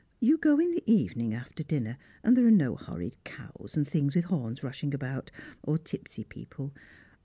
You go in the evening after dinner, and there are no horrid cows and things with horns rushing about, or tipsy people.